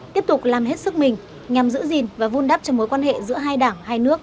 tiếp tục làm hết sức mình nhằm giữ gìn và vun đắp cho mối quan hệ giữa hai đảng hai nước